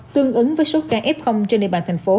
tương ứng với số ca f trên địa bàn thành phố